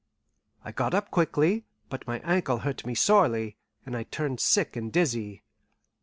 I got up quickly; but my ankle hurt me sorely, and I turned sick and dizzy.